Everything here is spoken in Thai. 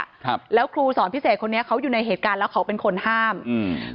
ครับแล้วครูสอนพิเศษคนนี้เขาอยู่ในเหตุการณ์แล้วเขาเป็นคนห้ามอืม